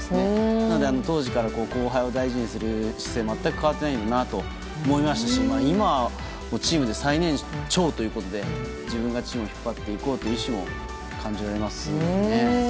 なので、当時から後輩を大事にする姿勢は全く変わってないんだなと思いましたし今、チームで最年長ということで自分がチームを引っ張っていこうという意思も感じられますね。